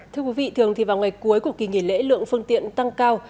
thưa quý vị thường thì vào ngày cuối của kỳ nghỉ lễ lượng phương tiện tăng cao